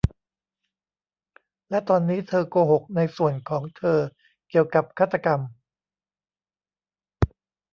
และตอนนี้เธอโกหกในส่วนของเธอเกี่ยวกับฆาตกรรม